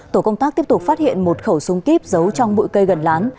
tổ công tác tiếp tục phát hiện một khẩu súng kíp giấu trong bụi cây gần lán